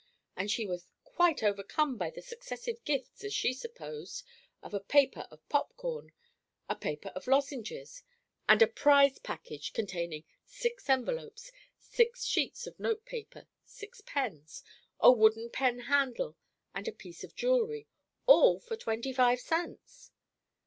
and she was quite overcome by the successive gifts, as she supposed, of a paper of pop corn, a paper of lozenges, and a "prize package," containing six envelopes, six sheets of note paper, six pens, a wooden pen handle and a "piece of jewelry," all for twenty five cents!